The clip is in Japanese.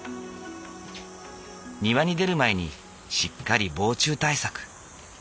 庭に出る前にしっかり防虫対策。